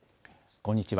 こんにちは。